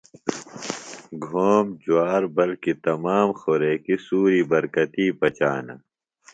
گھوم، جُوار بلکہ تمام خوریکیۡ سُوری برکتی پچانہ۔